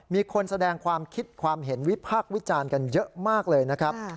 มีคนแสดงความคิดความเห็นวิพากษ์วิจารณ์กันเยอะมากเลยนะครับ